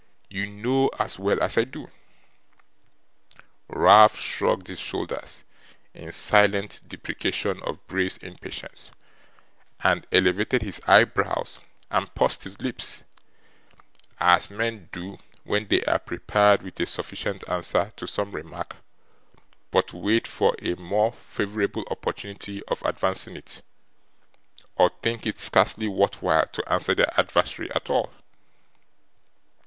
You know as well as I do.' Ralph shrugged his shoulders, in silent deprecation of Bray's impatience, and elevated his eyebrows, and pursed his lips, as men do when they are prepared with a sufficient answer to some remark, but wait for a more favourable opportunity of advancing it, or think it scarcely worth while to answer their adversary at all.